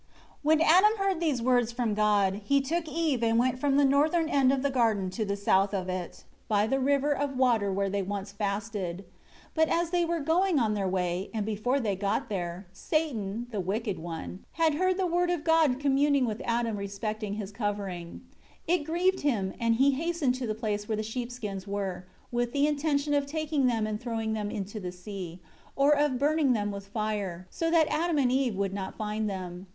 1 When Adam heard these words from God, he took Eve and went from the northern end of the garden to the south of it, by the river of water where they once fasted. 2 But as they were going on their way, and before they got there, Satan, the wicked one, had heard the Word of God communing with Adam respecting his covering. 3 It grieved him, and he hastened to the place where the sheep skins were, with the intention of taking them and throwing them into the sea, or of burning them with fire, so that Adam and Eve would not find them.